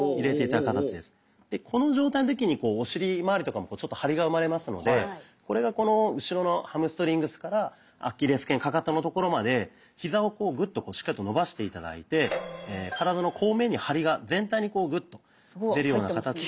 この状態の時にお尻まわりとかも張りが生まれますのでこれがこの後ろのハムストリングスからアキレスけんカカトのところまでヒザをグッとしっかりと伸ばして頂いて体の後面に張りが全体にグッと出るような形で。